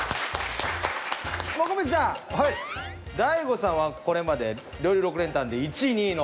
もこみちさん大悟さんはこれまで料理６連単で１位２位の。